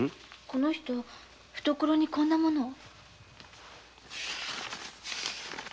この人懐にこんな物を。